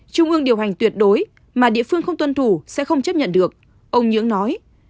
trung ương điều hành tuyệt đối mà địa phương không tuân thủ sẽ không chấp nhận được ông nhưỡng nói